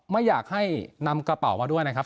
ไม่อยากให้นำกระเป๋ามาด้วยนะครับ